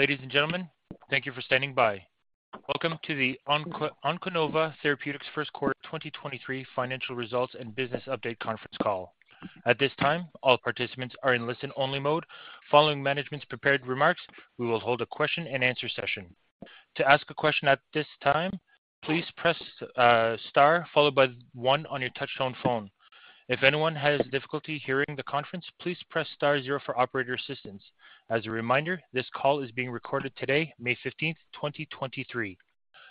Ladies and gentlemen, thank you for standing by. Welcome to the Onconova Therapeutics 1st Quarter 2023 Financial Results and Business Update Conference Call. At this time, all participants are in listen-only mode. Following management's prepared remarks, we will hold a question-and-answer session. To ask a question at this time, please press star followed by one on your touchtone phone. If anyone has difficulty hearing the conference, please press star zero for operator assistance. As a reminder, this call is being recorded today, May 15th, 2023.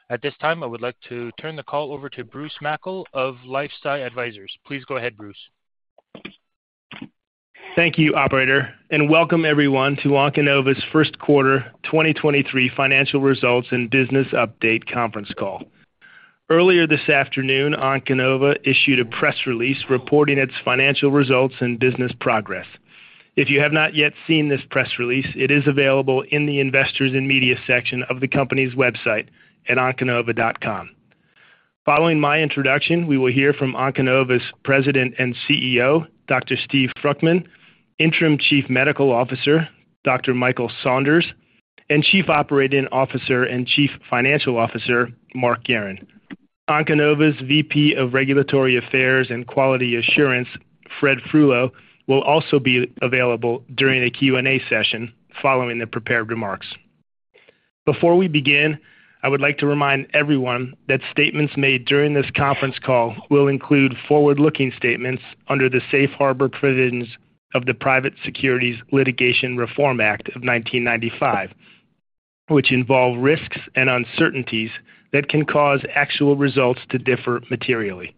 At this time, I would like to turn the call over to Bruce Mackle of LifeSci Advisors. Please go ahead, Bruce. Thank you, operator, and welcome everyone to Onconova's 1st quarter 2023 financial results and business update conference call. Earlier this afternoon, Onconova issued a press release reporting its financial results and business progress. If you have not yet seen this press release, it is available in the Investors and Media section of the company's website at onconova.com. Following my introduction, we will hear from Onconova's President and CEO, Dr. Steven Fruchtman, Interim Chief Medical Officer, Dr. Michael Saunders, and Chief Operating Officer and Chief Financial Officer, Mark Guerin. Onconova's VP of Regulatory Affairs and Quality Assurance, Fred Frullo, will also be available during the Q&A session following the prepared remarks. Before we begin, I would like to remind everyone that statements made during this conference call will include forward-looking statements under the Safe Harbor provisions of the Private Securities Litigation Reform Act of 1995, which involve risks and uncertainties that can cause actual results to differ materially.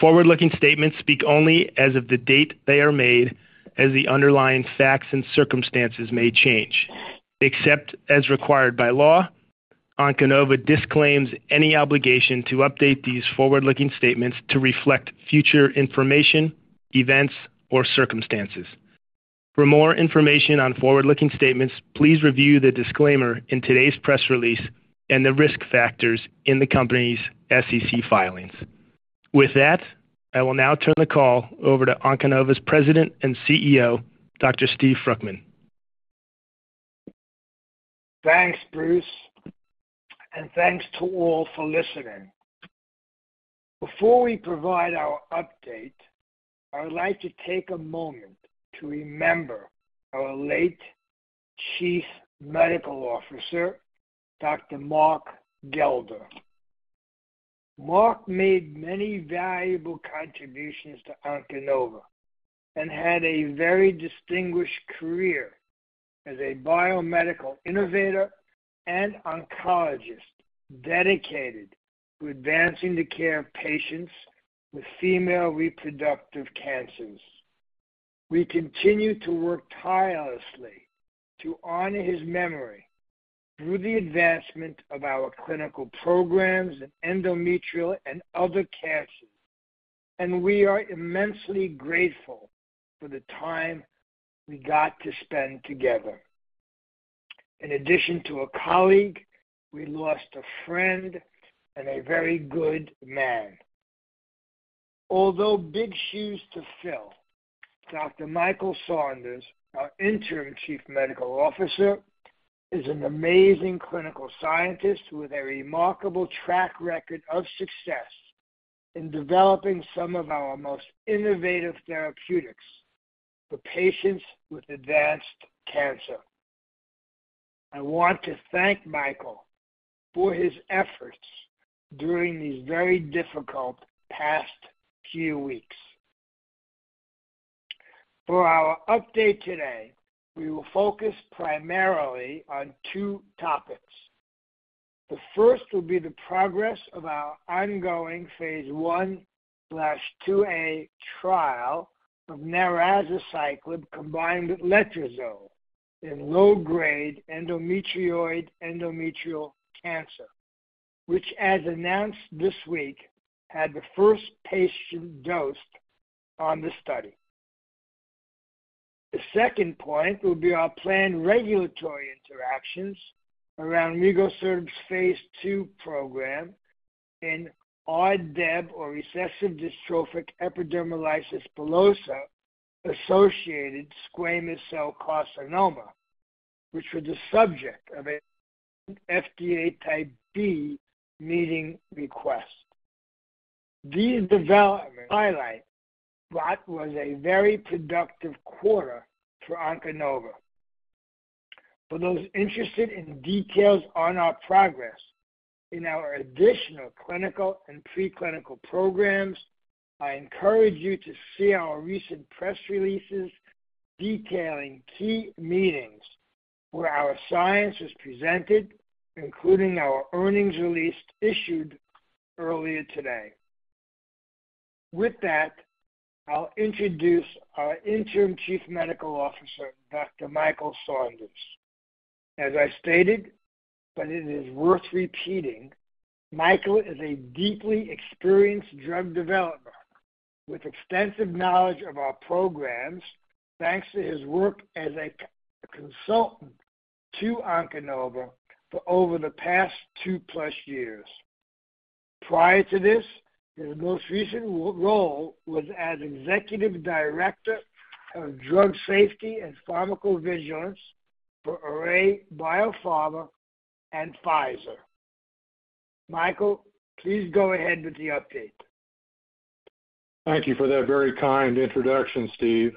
Forward-looking statements speak only as of the date they are made, as the underlying facts and circumstances may change. Except as required by law, Onconova disclaims any obligation to update these forward-looking statements to reflect future information, events, or circumstances. For more information on forward-looking statements, please review the disclaimer in today's press release and the risk factors in the company's SEC filings. With that, I will now turn the call over to Onconova's President and CEO, Dr. Steve Fruchtman. Thanks, Bruce, thanks to all for listening. Before we provide our update, I would like to take a moment to remember our late Chief Medical Officer, Dr. Mark Gelder. Mark made many valuable contributions to Onconova and had a very distinguished career as a biomedical innovator and oncologist dedicated to advancing the care of patients with female reproductive cancers. We continue to work tirelessly to honor his memory through the advancement of our clinical programs in endometrial and other cancers, and we are immensely grateful for the time we got to spend together. In addition to a colleague, we lost a friend and a very good man. Although big shoes to fill, Dr. Michael Saunders, our Interim Chief Medical Officer, is an amazing clinical scientist with a remarkable track record of success in developing some of our most innovative therapeutics for patients with advanced cancer. I want to thank Michael for his efforts during these very difficult past few weeks. For our update today, we will focus primarily on two topics. The 1st will be the progress of our ongoing phase I/II-A trial of narazaciclib combined with letrozole in low-grade endometrioid endometrial cancer, which as announced this week, had the 1st patient dosed on the study. The 2nd point will be our planned regulatory interactions around Rigosertib's phase II program in RDEB or Recessive Dystrophic Epidermolysis Bullosa associated squamous cell carcinoma, which was the subject of a FDA Type B meeting request. These developments highlight what was a very productive quarter for Onconova. For those interested in details on our progress in our additional clinical and preclinical programs, I encourage you to see our recent press releases detailing key meetings where our science is presented, including our earnings release issued earlier today. With that, I'll introduce our interim Chief Medical Officer, Dr. Michael Saunders. As I stated, but it is worth repeating, Michael is a deeply experienced drug developer with extensive knowledge of our programs, thanks to his work as a consultant to Onconova for over the past two-plus years. Prior to this, his most recent role was as Executive Director of Drug Safety and Pharmacovigilance for Array BioPharma and Pfizer. Michael, please go ahead with the update. Thank you for that very kind introduction, Steve.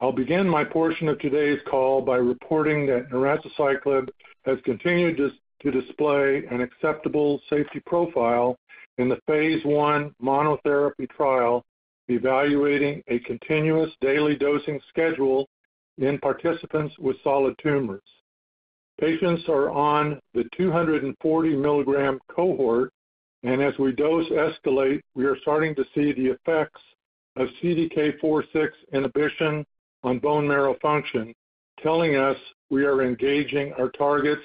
I'll begin my portion of today's call by reporting that narazaciclib has continued to display an acceptable safety profile in the phase I monotherapy trial evaluating a continuous daily dosing schedule in participants with solid tumors. Patients are on the 240 mg cohort, and as we dose escalate, we are starting to see the effects of CDK4/6 inhibition on bone marrow function, telling us we are engaging our targets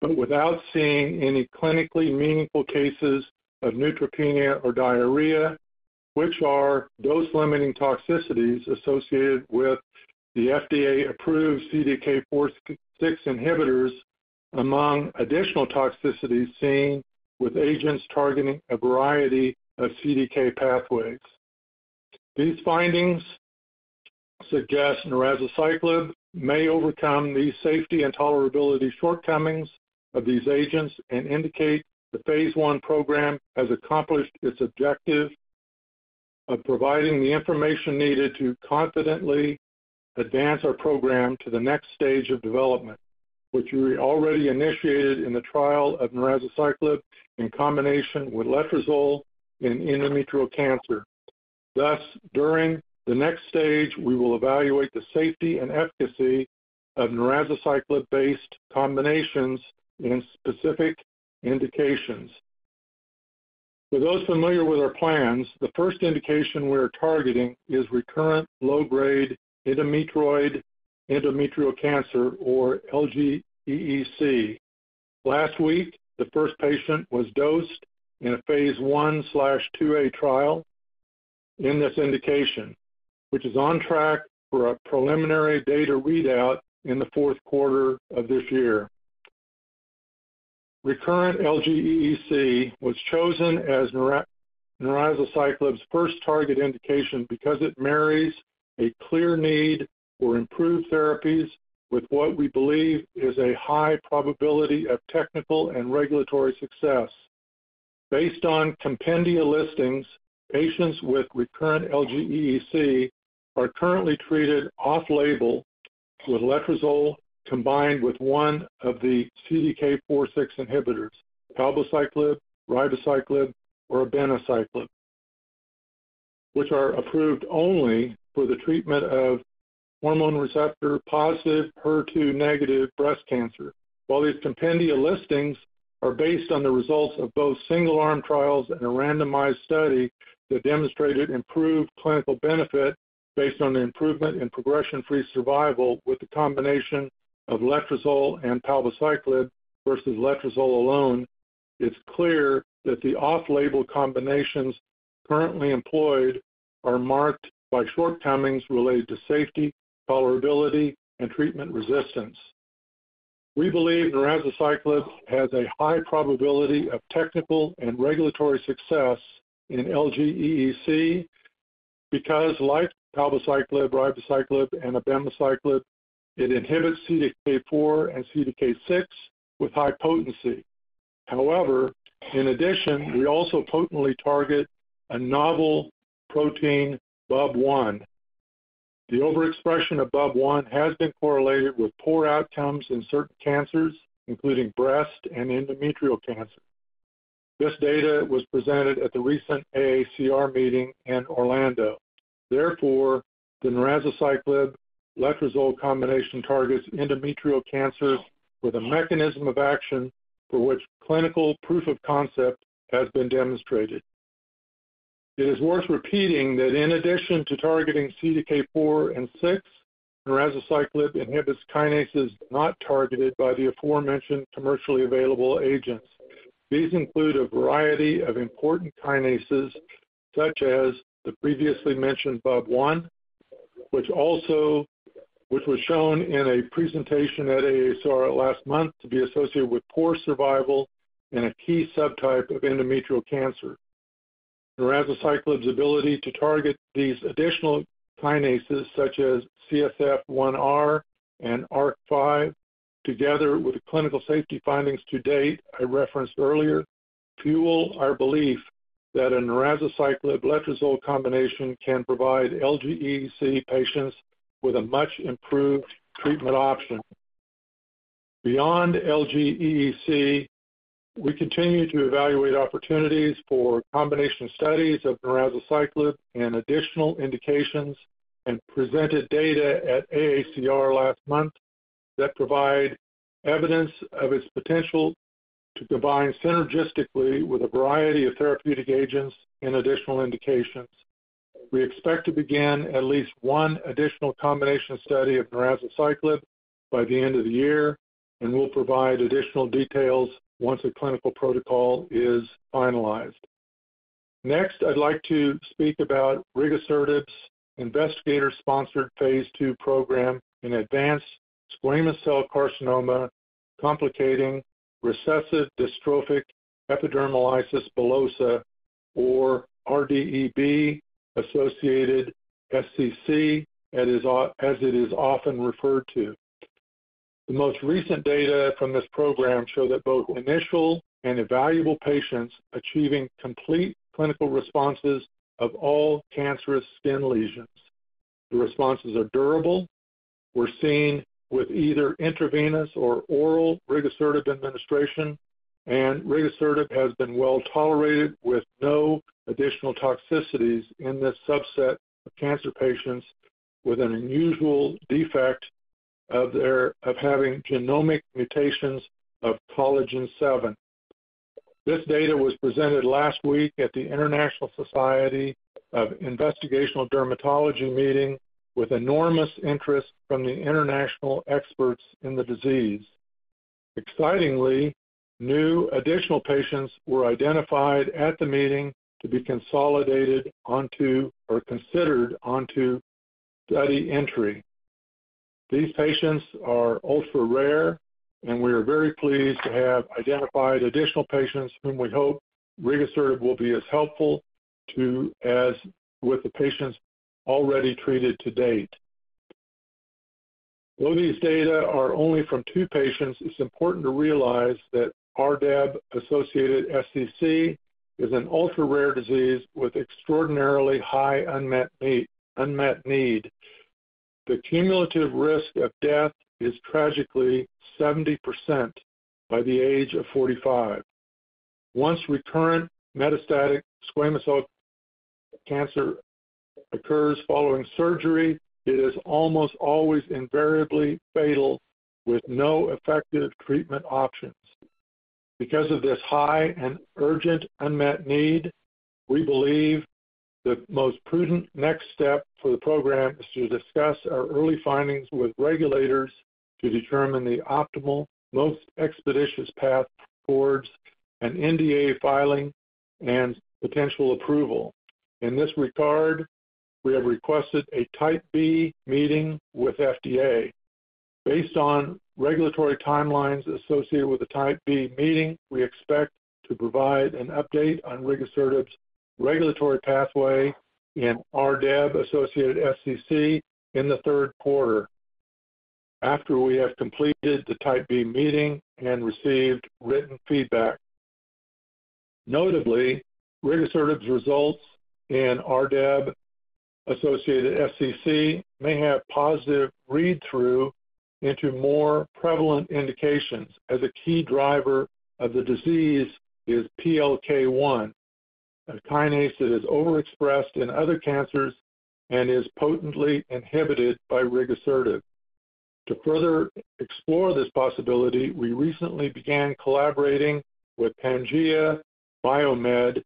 but without seeing any clinically meaningful cases of neutropenia or diarrhea, which are dose-limiting toxicities associated with the FDA-approved CDK4/6 inhibitors, among additional toxicities seen with agents targeting a variety of CDK pathways. These findings suggest narazaciclib may overcome the safety and tolerability shortcomings of these agents and indicate the phase I program has accomplished its objective of providing the information needed to confidently advance our program to the next stage of development, which we already initiated in the trial of narazaciclib in combination with letrozole in endometrial cancer. Thus, during the next stage, we will evaluate the safety and efficacy of narazaciclib-based combinations in specific indications. For those familiar with our plans, the 1st indication we are targeting is recurrent low-grade endometrioid endometrial cancer, or LGEC. Last week, the 1st patient was dosed in a phase I/II-A trial in this indication, which is on track for a preliminary data readout in the fourth quarter of this year. Recurrent LGEC was chosen as narazaciclib's 1st target indication because it marries a clear need for improved therapies with what we believe is a high probability of technical and regulatory success. Based on compendia listings, patients with recurrent LGEC are currently treated off-label with letrozole combined with one of the CDK4/6 inhibitors, palbociclib, ribociclib, or abemaciclib, which are approved only for the treatment of hormone receptor-positive, HER2-negative breast cancer. While these compendia listings are based on the results of both single-arm trials and a randomized study that demonstrated improved clinical benefit based on the improvement in progression-free survival with the combination of letrozole and palbociclib versus letrozole alone, it's clear that the off-label combinations currently employed are marked by shortcomings related to safety, tolerability, and treatment resistance. We believe narazaciclib has a high probability of technical and regulatory success in LGEC because like palbociclib, ribociclib, and abemaciclib, it inhibits CDK4 and CDK6 with high potency. However, in addition, we also potently target a novel protein, BUB1. The overexpression of BUB1 has been correlated with poor outcomes in certain cancers, including breast and endometrial cancer. This data was presented at the recent AACR meeting in Orlando. The narazaciclib-letrozole combination targets endometrial cancers with a mechanism of action for which clinical proof of concept has been demonstrated. It is worth repeating that in addition to targeting CDK4 and six, narazaciclib inhibits kinases not targeted by the aforementioned commercially available agents. These include a variety of important kinases, such as the previously mentioned BUB1, which was shown in a presentation at AACR last month to be associated with poor survival in a key subtype of endometrial cancer. Narazaciclib's ability to target these additional kinases such as CSF1R and ARK5, together with the clinical safety findings to date I referenced earlier, fuel our belief that a narazaciclib-letrozole combination can provide LGEC patients with a much-improved treatment option. Beyond LGEC, we continue to evaluate opportunities for combination studies of narazaciclib in additional indications and presented data at AACR last month that provide evidence of its potential to combine synergistically with a variety of therapeutic agents in additional indications. We expect to begin at least one additional combination study of narazaciclib by the end of the year, and we'll provide additional details once a clinical protocol is finalized. Next, I'd like to speak about Rigosertib's investigator-sponsored phase II program in advanced squamous cell carcinoma complicating Recessive Dystrophic Epidermolysis Bullosa or RDEB-associated SCC as it is often referred to. The most recent data from this program show that both initial and evaluable patients achieving complete clinical responses of all cancerous skin lesions. The responses are durable, were seen with either intravenous or oral Rigosertib administration, and Rigosertib has been well-tolerated with no additional toxicities in this subset of cancer patients with an unusual defect of having genomic mutations of collagen VII. This data was presented last week at the International Societies for Investigative Dermatology meeting with enormous interest from the international experts in the disease. Excitingly, new additional patients were identified at the meeting to be consolidated onto or considered onto study entry. These patients are ultra-rare, and we are very pleased to have identified additional patients whom we hope Rigosertib will be as helpful to as with the patients already treated to date. Though these data are only from 2 patients, it's important to realize that RDEB-associated SCC is an ultra-rare disease with extraordinarily high unmet need. The cumulative risk of death is tragically 70% by the age of 45. Once recurrent metastatic squamous cell cancer occurs following surgery, it is almost always invariably fatal with no effective treatment options. Because of this high and urgent unmet need, we believe the most prudent next step for the program is to discuss our early findings with regulators to determine the optimal, most expeditious path towards an NDA filing and potential approval. In this regard, we have requested a Type B meeting with FDA. Based on regulatory timelines associated with the Type B meeting, we expect to provide an update on Rigosertib's regulatory pathway in RDEB-associated SCC in the 3rd quarter after we have completed the Type B meeting and received written feedback. Notably, Rigosertib's results in RDEB-associated SCC may have positive read-through into more prevalent indications, as a key driver of the disease is PLK1, a kinase that is overexpressed in other cancers and is potently inhibited by Rigosertib. To further explore this possibility, we recently began collaborating with Pangea Biomed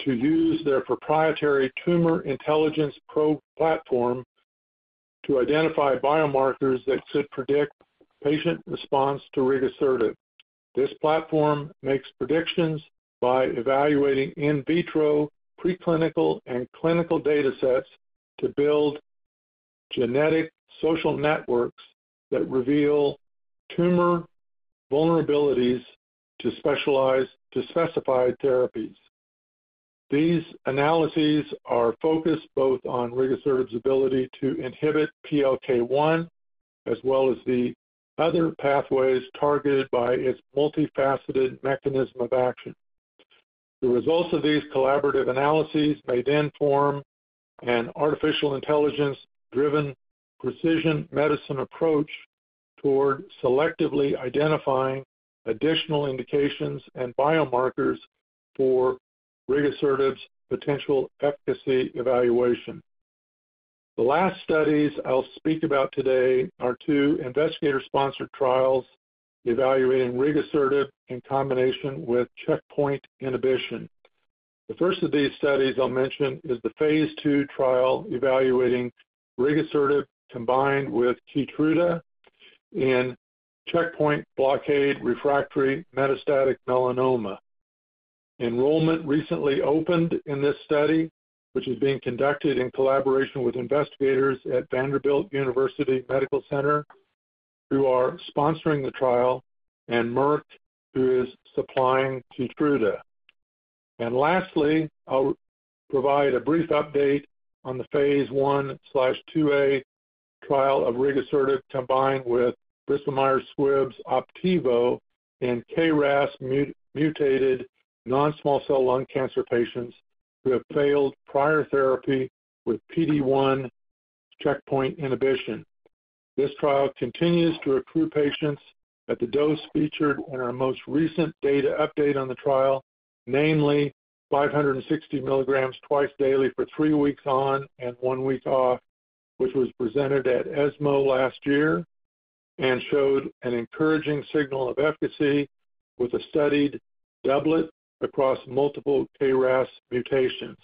to use their proprietary Tumor Intelligence Pro platform to identify biomarkers that could predict patient response to Rigosertib. This platform makes predictions by evaluating in vitro, preclinical, and clinical data sets to build genetic social networks that reveal tumor vulnerabilities to specified therapies. These analyses are focused both on Rigosertib's ability to inhibit PLK1 as well as the other pathways targeted by its multifaceted mechanism of action. The results of these collaborative analyses may then form an artificial intelligence-driven precision medicine approach toward selectively identifying additional indications and biomarkers for Rigosertib's potential efficacy evaluation. The last studies I'll speak about today are two investigator-sponsored trials evaluating Rigosertib in combination with checkpoint inhibition. The 1st of these studies I'll mention is the phase II trial evaluating Rigosertib combined with Keytruda in checkpoint blockade refractory metastatic melanoma. Enrollment recently opened in this study, which is being conducted in collaboration with investigators at Vanderbilt University Medical Center, who are sponsoring the trial, and Merck, who is supplying Keytruda. Lastly, I'll provide a brief update on the phase I/II-A trial of Rigosertib combined with Bristol Myers Squibb's Opdivo in KRAS-mutated non-small cell lung cancer patients who have failed prior therapy with PD-1 checkpoint inhibition. This trial continues to recruit patients at the dose featured in our most recent data update on the trial, namely 560 mgs 2x daily for 3 weeks on and 1 week off, which was presented at ESMO last year and showed an encouraging signal of efficacy with a studied doublet across multiple KRAS mutations.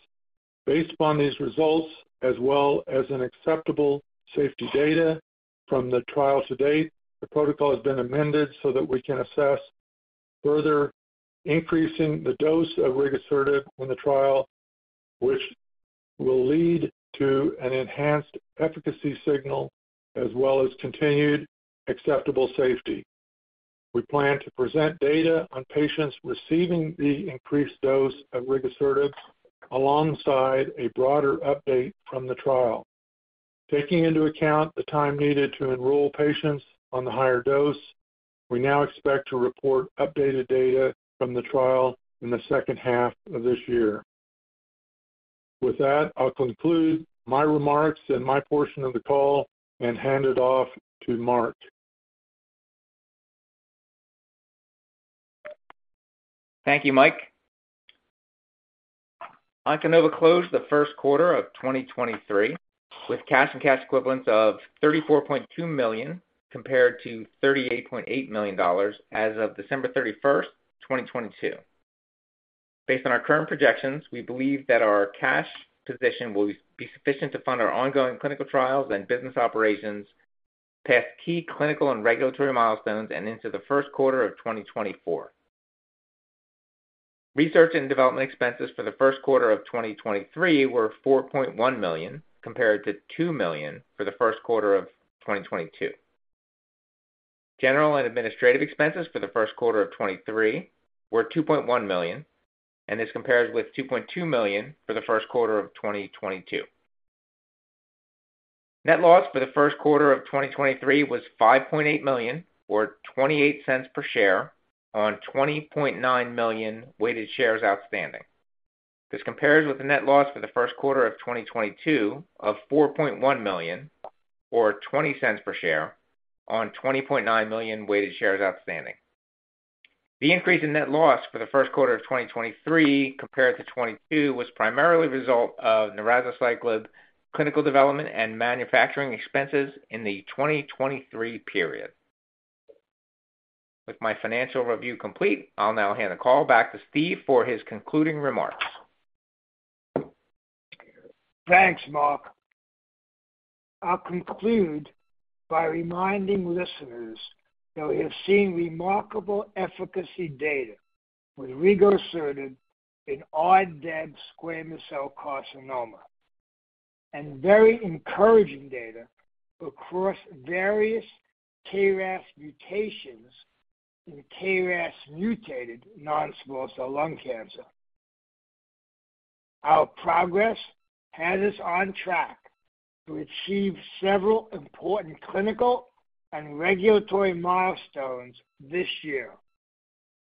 Based on these results, as well as an acceptable safety data from the trial to date, the protocol has been amended so that we can assess further increasing the dose of rigosertib in the trial, which will lead to an enhanced efficacy signal as well as continued acceptable safety. We plan to present data on patients receiving the increased dose of rigosertib alongside a broader update from the trial. Taking into account the time needed to enroll patients on the higher dose, we now expect to report updated data from the trial in the 2nd half of this year. With that, I'll conclude my remarks and my portion of the call and hand it off to Mark. Thank you, Mike. Onconova closed the 1st quarter of 2023 with cash and cash equivalents of $34.2 million compared to $38.8 million as of December 31st, 2022. Based on our current projections, we believe that our cash position will be sufficient to fund our ongoing clinical trials and business operations past key clinical and regulatory milestones and into the 1st quarter of 2024. Research and development expenses for the 1st quarter of 2023 were $4.1 million, compared to $2 million for the 1st quarter of 2022. General and administrative expenses for the 1st quarter of 2023 were $2.1 million. This compares with $2.2 million for the 1st quarter of 2022. Net loss for the 1st quarter of 2023 was $5.8 million, or $0.28 per share on 20.9 million weighted shares outstanding. This compares with the net loss for the 1st quarter of 2022 of $4.1 million or $0.20 per share on 20.9 million weighted shares outstanding. The increase in net loss for the 1st quarter of 2023 compared to 2022 was primarily a result of narazaciclib clinical development and manufacturing expenses in the 2023 period. With my financial review complete, I'll now hand the call back to Steve for his concluding remarks. Thanks, Mark. I'll conclude by reminding listeners that we have seen remarkable efficacy data with Rigosertib in RDEB squamous cell carcinoma and very encouraging data across various KRAS mutations in KRAS-mutated non-small cell lung cancer. Our progress has us on track to achieve several important clinical and regulatory milestones this year.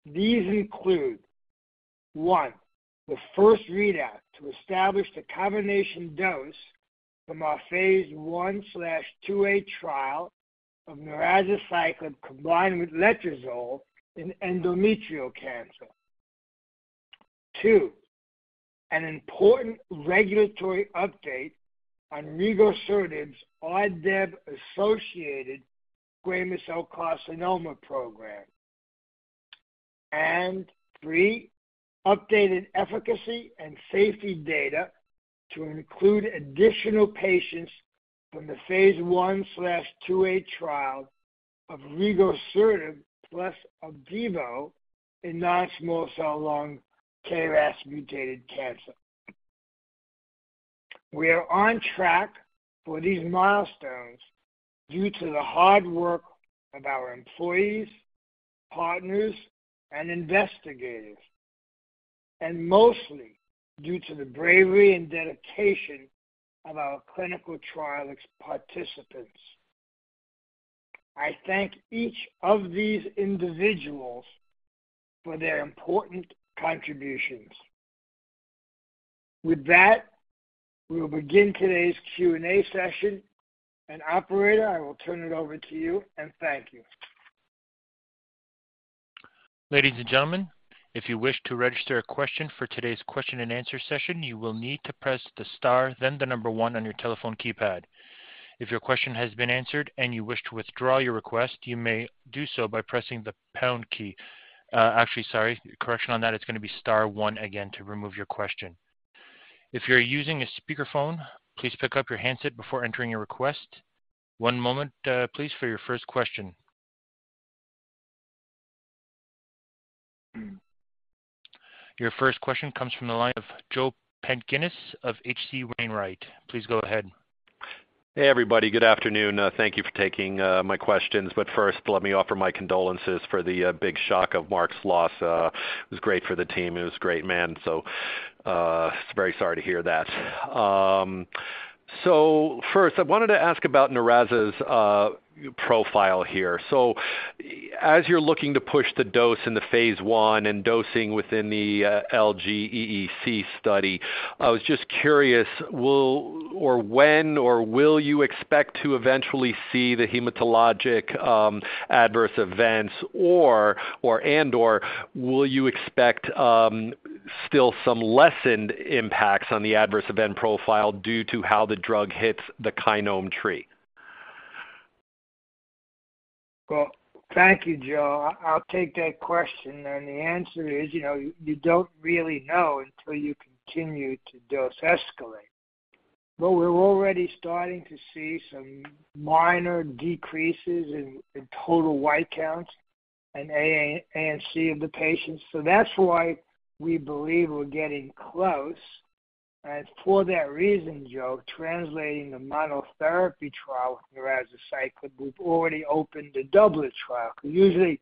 These include, 1, the 1st readout to establish the combination dose from our phase I/II-A trial of narazaciclib combined with letrozole in endometrial cancer. 2, an important regulatory update on Rigosertib's RDEB-associated squamous cell carcinoma program. 3, updated efficacy and safety data to include additional patients from the phase I/II-A trial of Rigosertib plus Opdivo in non-small cell lung KRAS-mutated cancer. We are on track for these milestones due to the hard work of our employees, partners, and investigators, and mostly due to the bravery and dedication of our clinical trial participants. I thank each of these individuals for their important contributions. With that, we will begin today's Q&A session. Operator, I will turn it over to you, and thank you. Ladies and gentlemen, if you wish to register a question for today's question-and-answer session, you will need to press the star then the number one on your telephone keypad. If your question has been answered and you wish to withdraw your request, you may do so by pressing the pound key. Actually, sorry, correction on that. It's gonna be star one again to remove your question. If you're using a speakerphone, please pick up your handset before entering your request. One moment, please, for your 1st question. Your 1st question comes from the line of Joseph Pantginis of H.C. Wainwright. Please go ahead. Hey, everybody. Good afternoon. Thank you for taking my questions. 1st, let me offer my condolences for the big shock of Mark's loss. He was great for the team. He was a great man. Very sorry to hear that. 1st, I wanted to ask about narazaciclib's profile here. As you're looking to push the dose in the phase I and dosing within the LGEC study, I was just curious, will or when or will you expect to eventually see the hematologic adverse events or and/or will you expect still some lessened impacts on the adverse event profile due to how the drug hits the kinome tree? Well, thank you, Joe. I'll take that question. The answer is, you know, you don't really know until you continue to dose escalate. We're already starting to see some minor decreases in total white counts and ANC in the patients. That's why we believe we're getting close. For that reason, Joe, translating the monotherapy trial with narazaciclib, we've already opened the doublet trial. 'Cause usually,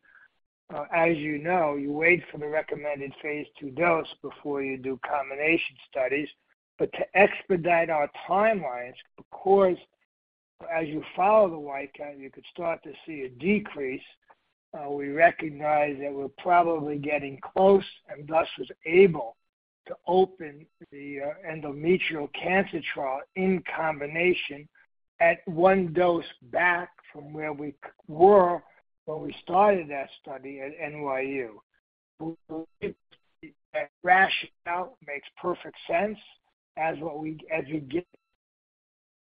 as you know, you wait for the recommended phase II dose before you do combination studies. To expedite our timelines, of course, as you follow the white count, you could start to see a decrease. We recognize that we're probably getting close and thus was able to open the endometrial cancer trial in combination at one dose back from where we were when we started that study at NYU. We believe that rationale makes perfect sense as you get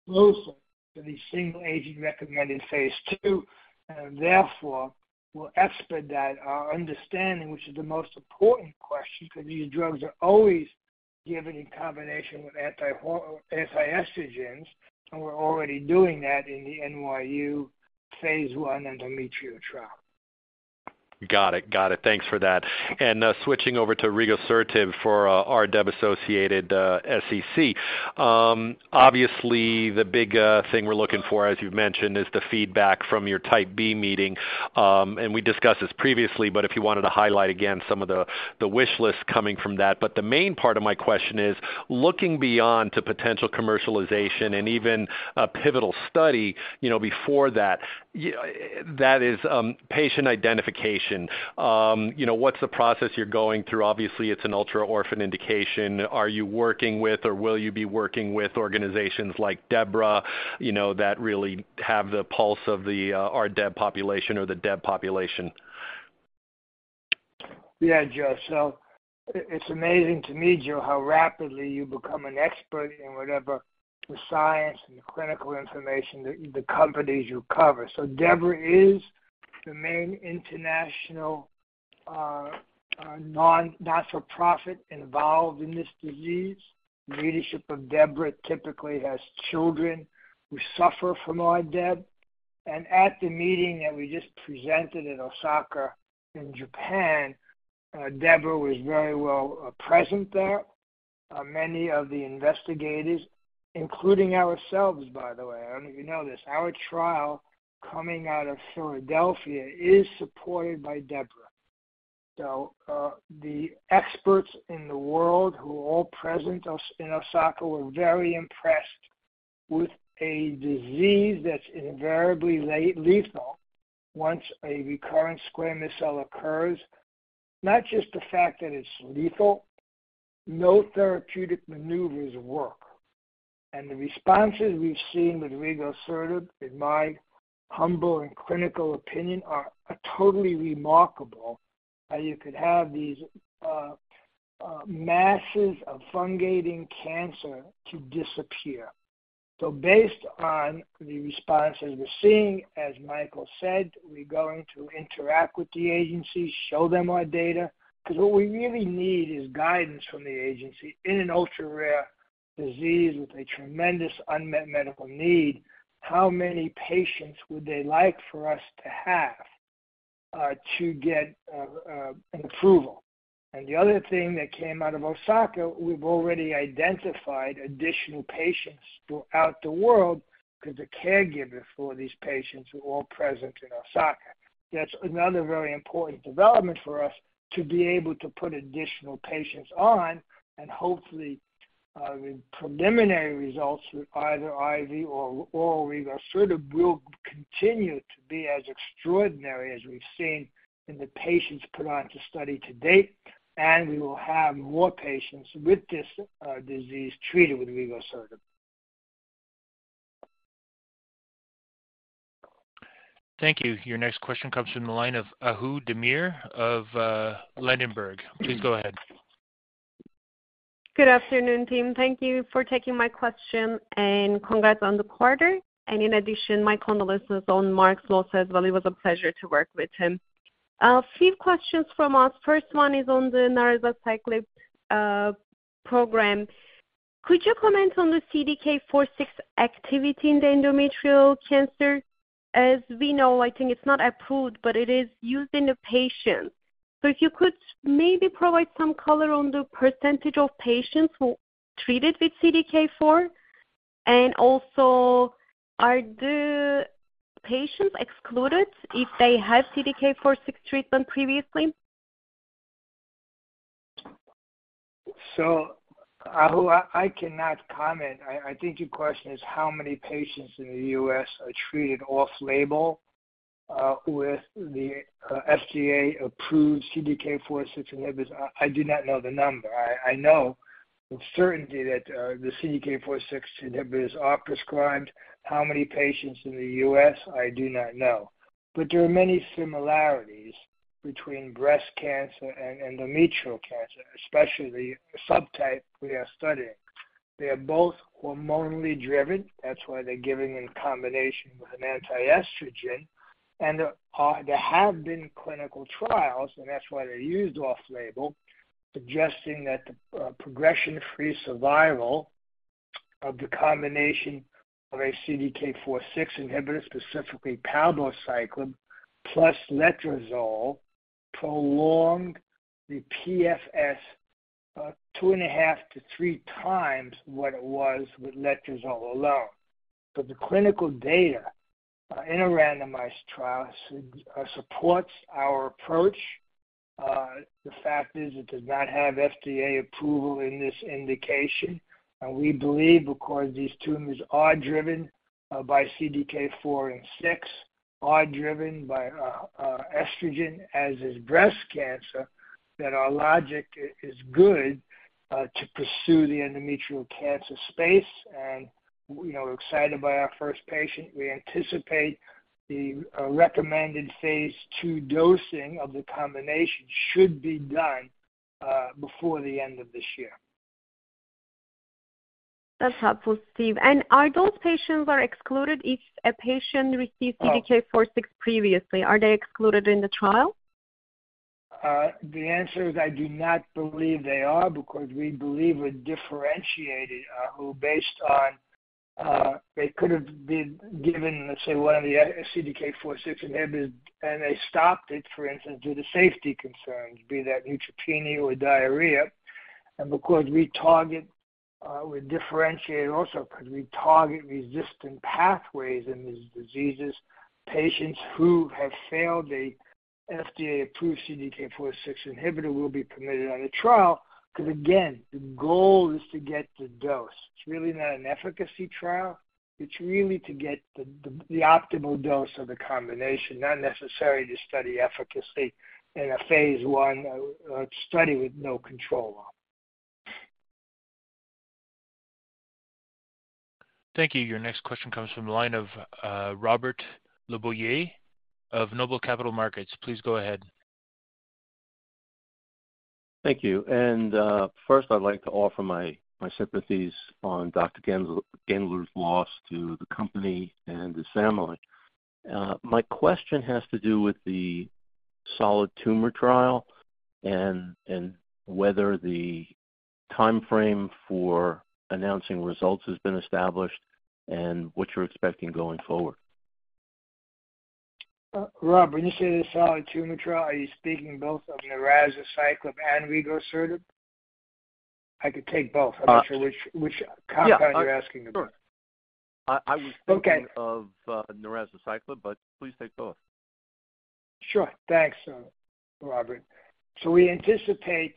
closer to the single agent recommended phase two, and therefore will expedite our understanding, which is the most important question, 'cause these drugs are always given in combination with antiestrogens, and we're already doing that in the NYU phase one endometrial trial. Got it. Got it. Thanks for that. Switching over to rigosertib for RDEB-associated SCC. Obviously the big thing we're looking for, as you've mentioned, is the feedback from your Type B meeting. We discussed this previously, but if you wanted to highlight again some of the wish list coming from that. The main part of my question is, looking beyond to potential commercialization and even a pivotal study, you know, before that is patient identification. You know, what's the process you're going through? Obviously, it's an ultra-orphan indication. Are you working with or will you be working with organizations like DEBRA, you know, that really have the pulse of the RDEB population or the DEB population? It's amazing to me, Joe, how rapidly you become an expert in whatever the science and the clinical information the companies you cover. DEBRA is the main international non-profit involved in this disease. The leadership of DEBRA typically has children who suffer from RDEB. At the meeting that we just presented in Osaka, in Japan, DEBRA was very well present there. Many of the investigators, including ourselves, by the way, I don't know if you know this, our trial coming out of Philadelphia is supported by DEBRA. The experts in the world who were all present in Osaka were very impressed with a disease that's invariably lethal once a recurrent squamous cell occurs, not just the fact that it's lethal, no therapeutic maneuvers work. The responses we've seen with Rigosertib, in my humble and clinical opinion, are totally remarkable, how you could have these masses of fungating cancer to disappear. Based on the responses we're seeing, as Michael said, we're going to interact with the agency, show them our data, 'cause what we really need is guidance from the agency in an ultra-rare disease with a tremendous unmet medical need. How many patients would they like for us to have to get an approval? The other thing that came out of Osaka, we've already identified additional patients throughout the world 'cause the caregivers for these patients were all present in Osaka. That's another very important development for us to be able to put additional patients on and hopefully, the preliminary results with either IV or oral Rigosertib will continue to be as extraordinary as we've seen in the patients put on to study to date, and we will have more patients with this disease treated with Rigosertib. Thank you. Your next question comes from the line of Ahu Demir of, Ladenburg. Please go ahead. Good afternoon, team. Thank you for taking my question and congrats on the quarter. In addition, my condolences on Mark Gelder. It was a pleasure to work with him. A few questions from us. 1st one is on the narazaciclib program. Could you comment on the CDK4/6 activity in the endometrial cancer? We know, I think it's not approved, but it is used in the patients. If you could maybe provide some color on the percentage of patients who treated with CDK4. Also, are the patients excluded if they have CDK4/6 treatment previously? Ahu, I cannot comment. I think your question is how many patients in the U.S. are treated off-label with the FDA-approved CDK4/6 inhibitors. I do not know the number. I know with certainty that the CDK4/6 inhibitors are prescribed. How many patients in the U.S.? I do not know. There are many similarities between breast cancer and endometrial cancer, especially the subtype we are studying. They are both hormonally driven. That's why they're given in combination with an anti-estrogen. There have been clinical trials, and that's why they're used off-label, suggesting that the progression-free survival of the combination of a CDK4/6 inhibitor, specifically palbociclib plus letrozole, prolonged the PFS two and a half to three times what it was with letrozole alone. The clinical data in a randomized trial supports our approach. The fact is it does not have FDA approval in this indication. We believe because these tumors are driven by CDK4/6, are driven by estrogen as is breast cancer, that our logic is good to pursue the endometrial cancer space, and, you know, we're excited by our 1st patient. We anticipate the recommended phase II dosing of the combination should be done before the end of this year. That's helpful, Steve. Are those patients excluded if a patient receives? Oh. CDK4/6 previously? Are they excluded in the trial? The answer is I do not believe they are because we believe we're differentiating, who based on, they could have been given, let's say, one of the other CDK4/6 inhibitors, and they stopped it, for instance, due to safety concerns, be that neutropenia or diarrhea. Because we target, we differentiate also 'cause we target resistant pathways in these diseases. Patients who have failed a FDA-approved CDK4/6 inhibitor will be permitted on a trial 'cause again, the goal is to get the dose. It's really not an efficacy trial. It's really to get the optimal dose of the combination, not necessary to study efficacy in a phase one study with no control arm. Thank you. Your next question comes from the line of Robert LeBoyer of Noble Capital Markets. Please go ahead. Thank you. 1st I'd like to offer my sympathies on Dr. Mark Gelder's loss to the company and his family. My question has to do with the solid tumor trial and whether the timeframe for announcing results has been established and what you're expecting going forward. Rob, when you say the solid tumor trial, are you speaking both of narazaciclib and rigosertib? I could take both. Uh. I'm not sure which compound you're asking about. Yeah. sure. I was thinking of. Okay. narazaciclib, but please take both. Sure. Thanks, Robert. We anticipate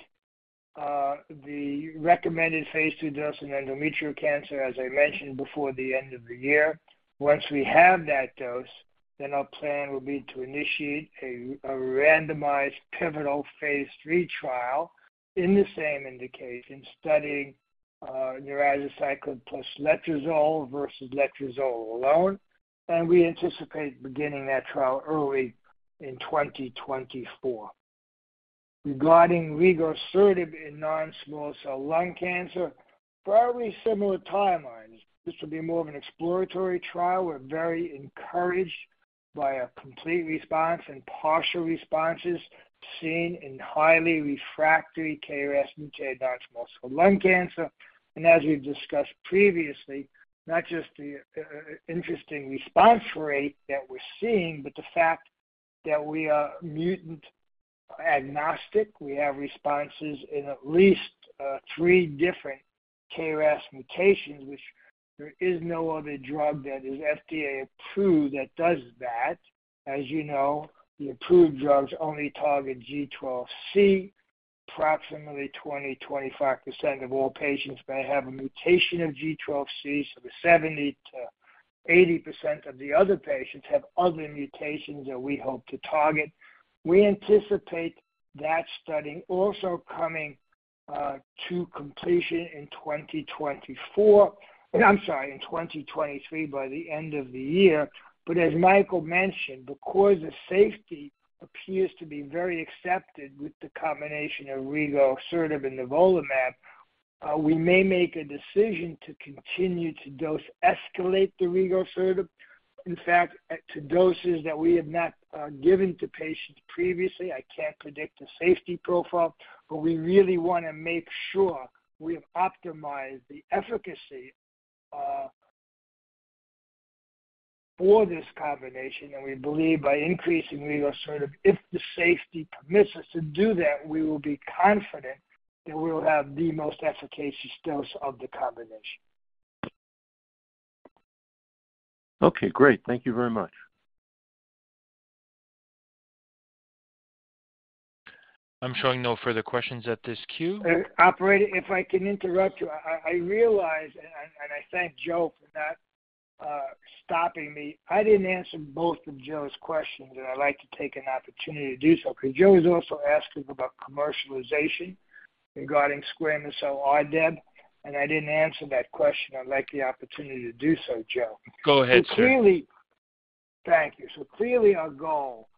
the recommended phase II dose in endometrial cancer, as I mentioned, before the end of the year. Once we have that dose, our plan will be to initiate a randomized pivotal phase III trial in the same indication, studying narazaciclib plus letrozole versus letrozole alone. We anticipate beginning that trial early in 2024. Regarding Rigosertib in non-small cell lung cancer, probably similar timelines. This will be more of an exploratory trial. We're very encouraged by a complete response and partial responses seen in highly refractory KRAS mutated non-small cell lung cancer. As we've discussed previously, not just the interesting response rate that we're seeing, but the fact that we are mutant agnostic. We have responses in at least 3 different KRAS mutations, which there is no other drug that is FDA-approved that does that. As you know, the approved drugs only target G12C. Approximately 20%-25% of all patients may have a mutation of G12C, so the 70%-80% of the other patients have other mutations that we hope to target. We anticipate that study also coming to completion in 2024. I'm sorry, in 2023 by the end of the year. As Michael mentioned, because the safety appears to be very accepted with the combination of Rigosertib and nivolumab, we may make a decision to continue to dose escalate the Rigosertib, in fact, to doses that we have not given to patients previously. I can't predict a safety profile, but we really wanna make sure we've optimized the efficacy for this combination. We believe by increasing rigosertib, if the safety permits us to do that, we will be confident that we'll have the most efficacious dose of the combination. Okay, great. Thank you very much. I'm showing no further questions at this queue. Operator, if I can interrupt you. I realize, and I thank Joe for not stopping me. I didn't answer both of Joe's questions, and I'd like to take an opportunity to do so 'cause Joe was also asking about commercialization regarding squamous cell RDEB, and I didn't answer that question. I'd like the opportunity to do so, Joe. Go ahead, Steve. Thank you. Clearly our goal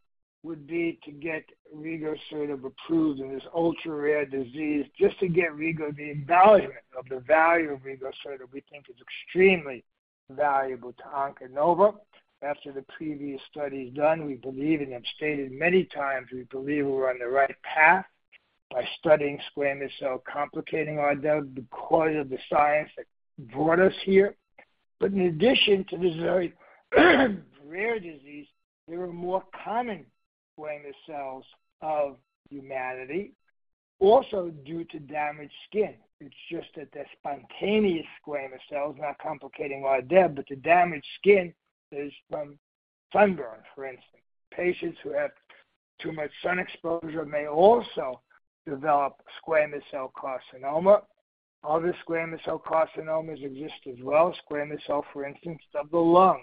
would be to get Rigosertib approved in this ultra-rare disease just to get Rigo the evaluant of the value of Rigosertib we think is extremely valuable to Onconova. After the previous studies done, we believe and have stated many times, we believe we're on the right path by studying squamous cell complicating RDEB because of the science that brought us here. In addition to this very rare disease, there are more common squamous cells of humanity also due to damaged skin. It's just that they're spontaneous squamous cells, not complicating RDEB, but the damaged skin is from sunburn, for instance. Patients who have too much sun exposure may also develop squamous cell carcinoma. Other squamous cell carcinomas exist as well. Squamous cell, for instance, of the lung,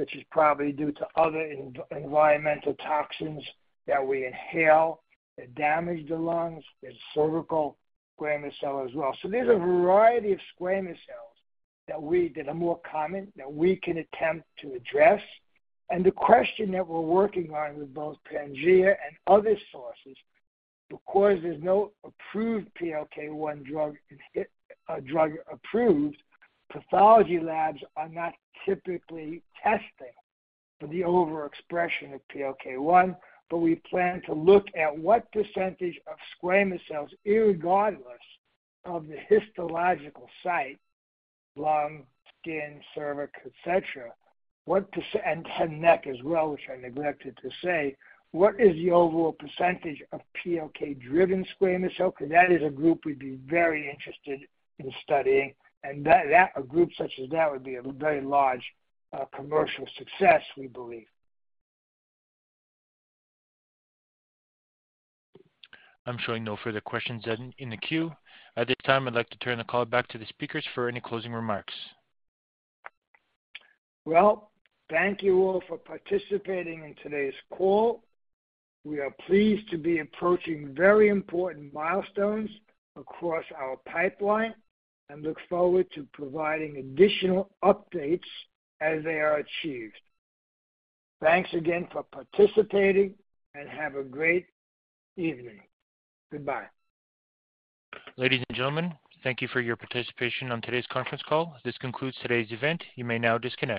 which is probably due to other environmental toxins that we inhale that damage the lungs. There's cervical squamous cell as well. There's a variety of squamous cells that are more common that we can attempt to address. The question that we're working on with both Pangea and other sources, because there's no approved PLK1 drug approved, pathology labs are not typically testing for the overexpression of PLK1. We plan to look at what percentage of squamous cells, regardless of the histological site, lung, skin, cervix, et cetera, and neck as well, which I neglected to say. What is the overall percentage of PLK-driven squamous cell? That is a group we'd be very interested in studying. That a group such as that would be a very large, commercial success, we believe. I'm showing no further questions in the queue. At this time, I'd like to turn the call back to the speakers for any closing remarks. Well, thank you all for participating in today's call. We are pleased to be approaching very important milestones across our pipeline and look forward to providing additional updates as they are achieved. Thanks again for participating, have a great evening. Goodbye. Ladies and gentlemen, thank you for your participation on today's conference call. This concludes today's event. You may now disconnect.